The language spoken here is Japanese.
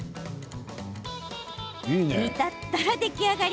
煮立ったら出来上がり。